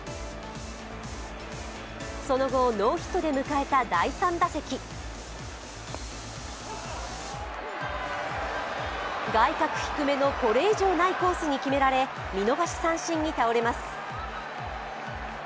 その後、ノーヒットで迎えた第３打席外角低めのこれ以上ないコースに決められ見逃し三振に倒れます。